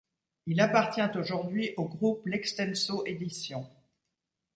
Il appartient aujourd’hui au groupe Lextenso Éditions.